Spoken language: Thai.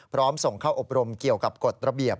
พร้อมส่งเข้าอบรมเกี่ยวกับกฎระเบียบ